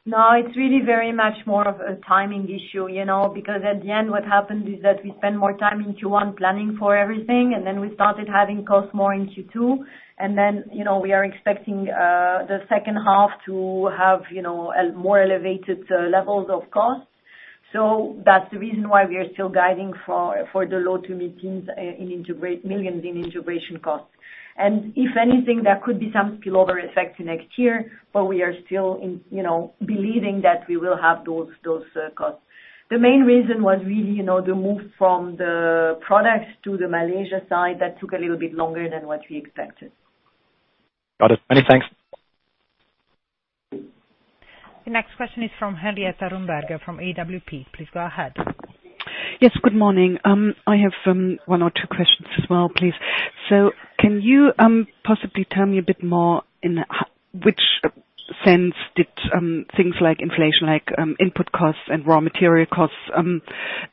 No, it's really very much more of a timing issue because at the end, what happened is that we spent more time in Q1 planning for everything, and then we started having costs more in Q2. We are expecting the second half to have more elevated levels of costs. That's the reason why we are still guiding for the low- to mid-single-digit millions in integration costs. If anything, there could be some spillover effect next year, but we are still believing that we will have those costs. The main reason was really the move from the products to the Malaysia side that took a little bit longer than what we expected. Got it. Many thanks . The next question is from Henrietta Rumberger from AWP. Please go ahead. Yes, good morning. I have one or two questions as well, please. Can you possibly tell me a bit more in which sense did things like inflation, like input costs and raw material costs,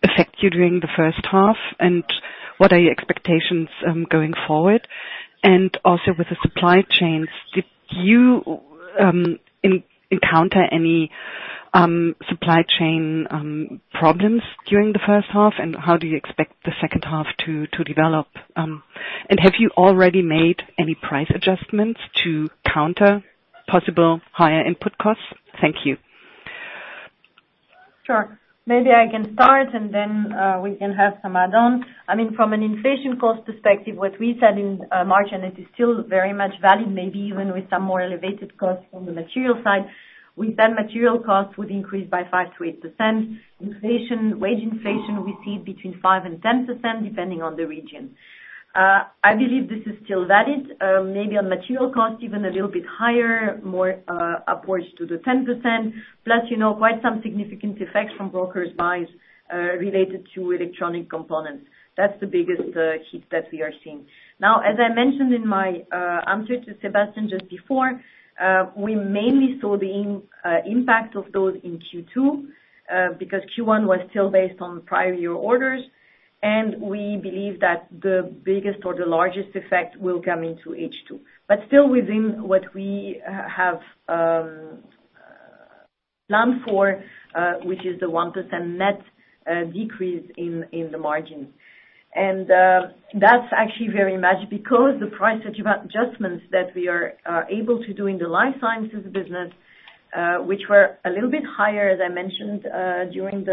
affect you during the first half, and what are your expectations going forward? Also with the supply chains, did you encounter any supply chain problems during the first half, and how do you expect the second half to develop? Have you already made any price adjustments to counter possible higher input costs? Thank you. Sure. Maybe I can start, and then we can have some add-ons. I mean, from an inflation cost perspective, what we said in March, and it is still very much valid, maybe even with some more elevated costs from the material side, we said material costs would increase by 5%-8%. Wage inflation, we see it between 5%-10% depending on the region. I believe this is still valid. Maybe on material costs, even a little bit higher, more upwards to the 10%, plus quite some significant effects from brokers' buys related to electronic components. That's the biggest hit that we are seeing. Now, as I mentioned in my answer to Sebastian just before, we mainly saw the impact of those in Q2 because Q1 was still based on prior-year orders. We believe that the biggest or the largest effect will come into H2, but still within what we have planned for, which is the 1% net decrease in the margins. That's actually very much because the price adjustments that we are able to do in the life sciences business, which were a little bit higher, as I mentioned during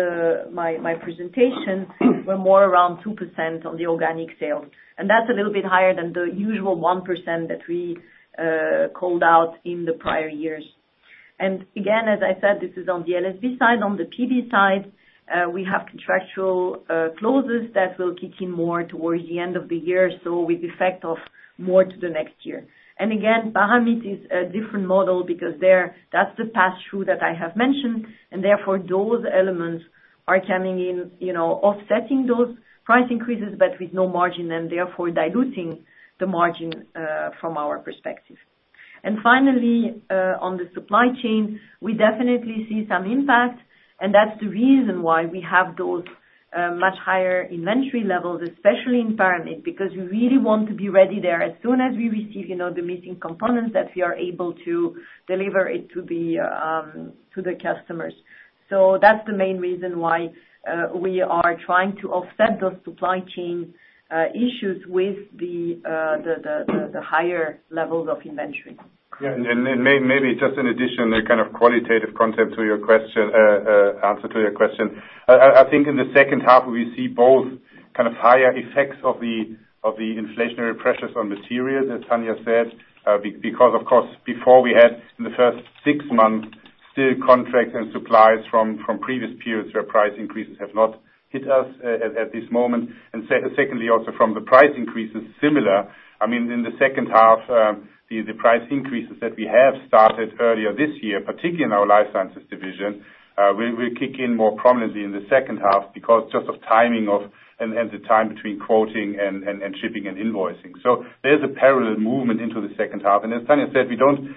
my presentation, were more around 2% on the organic sales. Again, as I said, this is on the LSB side. On the PB side, we have contractual closes that will kick in more towards the end of the year, so with effect of more to the next year. Again, Paramit is a different model because that's the pass-through that I have mentioned. Therefore, those elements are coming in, offsetting those price increases but with no margin and therefore diluting the margin from our perspective. Finally, on the supply chain, we definitely see some impact. That's the reason why we have those much higher inventory levels, especially in PARAMIT, because we really want to be ready there as soon as we receive the missing components that we are able to deliver to the customers. That's the main reason why we are trying to offset those supply chain issues with the higher levels of inventory. Yeah. Maybe just in addition, a kind of qualitative answer to your question, I think in the second half, we see both kind of higher effects of the inflationary pressures on materials, as Tania said, because, of course, before we had in the first six months, still contracts and supplies from previous periods where price increases have not hit us at this moment. Secondly, also from the price increases similar, I mean, in the second half, the price increases that we have started earlier this year, particularly in our life sciences division, will kick in more prominently in the second half because just of timing and the time between quoting and shipping and invoicing. There's a parallel movement into the second half. As Tania said, we don't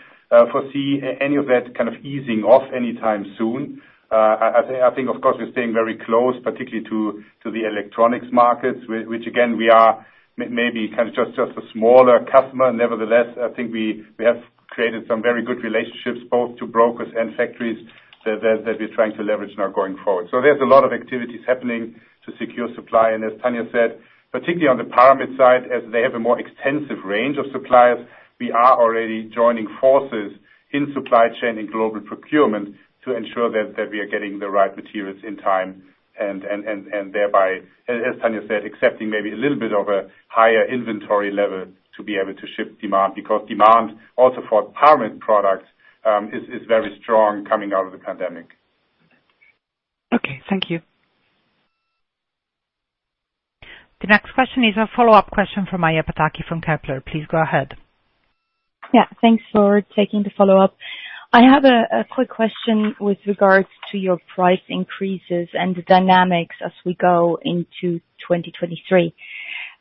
foresee any of that kind of easing off anytime soon. I think, of course, we're staying very close, particularly to the electronics markets, which, again, we are maybe kind of just a smaller customer. Nevertheless, I think we have created some very good relationships both to brokers and factories that we're trying to leverage now going forward. There's a lot of activities happening to secure supply. As Tania said, particularly on the Paramit side, as they have a more extensive range of suppliers, we are already joining forces in supply chain and global procurement to ensure that we are getting the right materials in time and thereby, as Tania said, accepting maybe a little bit of a higher inventory level to be able to ship demand because demand also for Paramit products is very strong coming out of the pandemic. Okay. Thank you. The next question is a follow-up question from Maja Pataki from Kepler Cheuvreux. Please go ahead. Yeah. Thanks for taking the follow-up. I have a quick question with regards to your price increases and the dynamics as we go into 2023.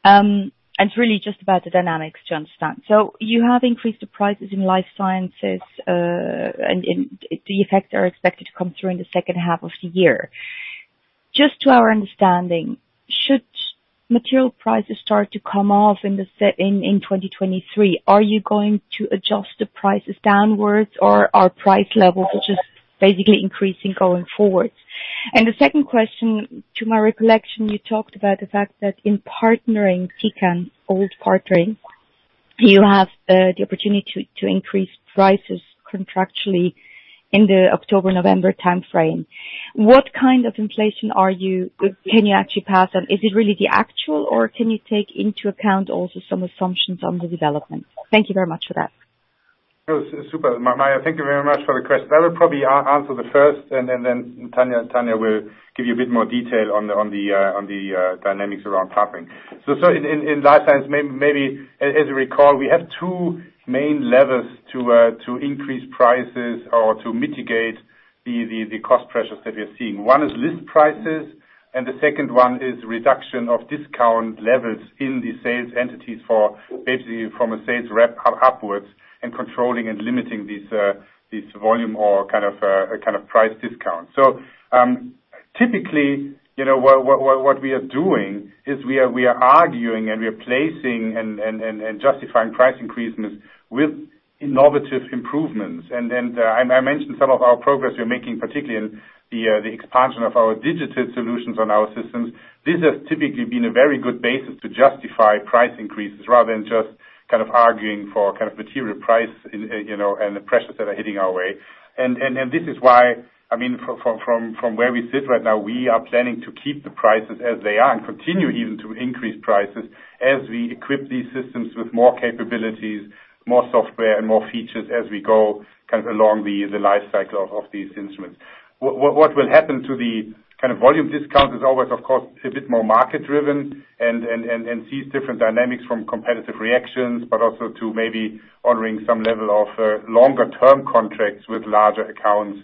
It's really just about the dynamics to understand. You have increased the prices in life sciences, and the effects are expected to come through in the second half of the year. Just to our understanding, should material prices start to come off in 2023, are you going to adjust the prices downwards, or are price levels just basically increasing going forwards? The second question, to my recollection, you talked about the fact that in Partnering Tecan, old partnering, you have the opportunity to increase prices contractually in the October-November timeframe. What kind of inflation can you actually pass on? Is it really the actual, or can you take into account also some assumptions on the development? Thank you very much for that. Oh, super. Maja, thank you very much for the question. I will probably answer the first, and then Tania will give you a bit more detail on the dynamics around pricing. In life science, maybe as you recall, we have two main levers to increase prices or to mitigate the cost pressures that we are seeing. One is list prices, and the second one is reduction of discount levels in the sales entities for basically from a sales rep upwards and controlling and limiting these volume or kind of price discounts. Typically, what we are doing is we are arguing and we are placing and justifying price increases with innovative improvements. I mentioned some of our progress we're making, particularly in the expansion of our digital solutions on our systems. This has typically been a very good basis to justify price increases rather than just kind of arguing for kind of material price and the pressures that are hitting our way. This is why, I mean, from where we sit right now, we are planning to keep the prices as they are and continue even to increase prices as we equip these systems with more capabilities, more software, and more features as we go kind of along the lifecycle of these instruments. What will happen to the kind of volume discount is always, of course, a bit more market-driven and sees different dynamics from competitive reactions, but also to maybe honoring some level of longer-term contracts with larger accounts,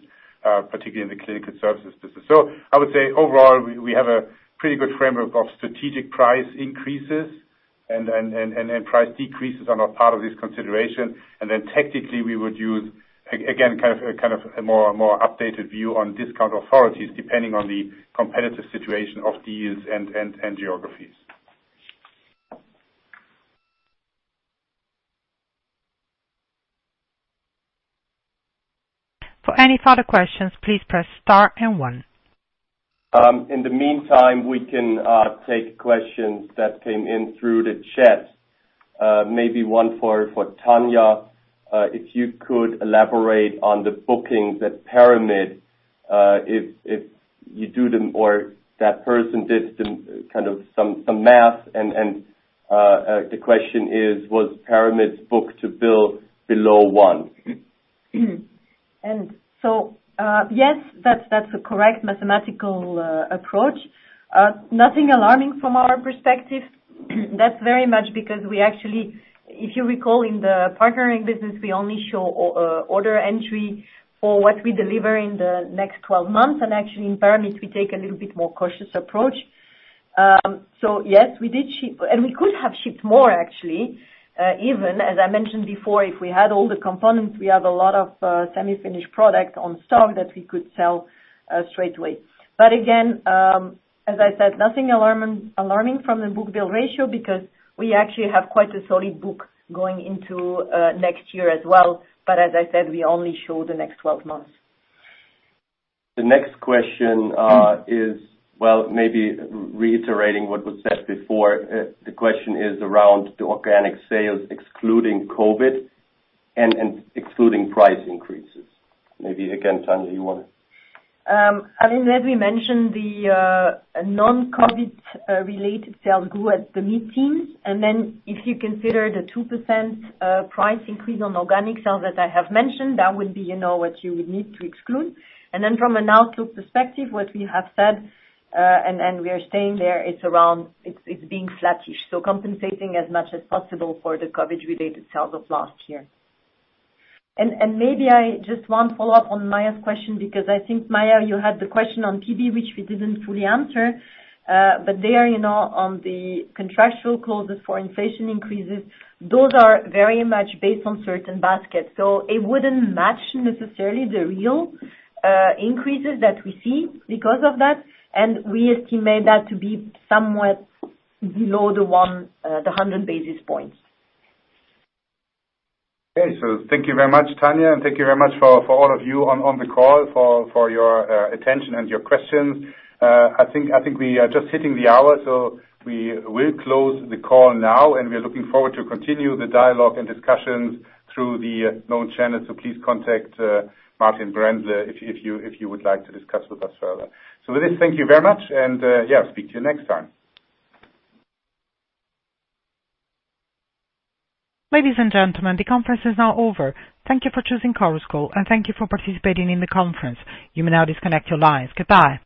particularly in the clinical services business. I would say overall, we have a pretty good framework of strategic price increases, and price decreases are not part of this consideration. Technically, we would use, again, kind of a more updated view on discount rates depending on the competitive situation of deals and geographies. For any further questions, please press star and one. In the meantime, we can take questions that came in through the chat. Maybe one for Tania, if you could elaborate on the bookings at PARAMIT if you do them or that person did kind of some math. The question is, was PARAMIT book-to-ship below one? Yes, that's a correct mathematical approach. Nothing alarming from our perspective. That's very much because we actually, if you recall, in the partnering business, we only show order entry for what we deliver in the next 12 months. Actually, in PARAMIT, we take a little bit more cautious approach. Yes, we did ship, and we could have shipped more, actually. Even as I mentioned before, if we had all the components, we have a lot of semi-finished product in stock that we could sell straight away. Again, as I said, nothing alarming from the book-to-bill ratio because we actually have quite a solid book going into next year as well. As I said, we only show the next 12 months. The next question is, well, maybe reiterating what was said before, the question is around the organic sales excluding COVID and excluding price increases. Maybe again, Tania, you want to. I mean, as we mentioned, the non-COVID-related sales grew at mid-teens. Then if you consider the 2% price increase on organic sales that I have mentioned, that would be what you would need to exclude. Then from an outlook perspective, what we have said, and we are staying there, it's being flattish, so compensating as much as possible for the COVID-related sales of last year. Maybe I just want to follow up on Maja's question because I think, Maja, you had the question on PB, which we didn't fully answer. There, on the contractual clauses for inflation increases, those are very much based on certain baskets. It wouldn't match necessarily the real increases that we see because of that. We estimate that to be somewhat below the 100 basis points. Okay. Thank you very much, Tania. Thank you very much for all of you on the call for your attention and your questions. I think we are just hitting the hour, so we will close the call now. We are looking forward to continuing the dialogue and discussions through the known channel. Please contact Martin Brändle if you would like to discuss with us further. With this, thank you very much. Yeah, speak to you next time. Ladies and gentlemen, the conference is now over. Thank you for choosing Chorus Call, and thank you for participating in the conference. You may now disconnect your lines. Goodbye.